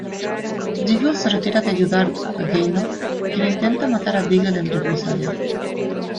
Diggle se retira de ayudar a Gaynor, quien intenta matar a Diggle en represalia.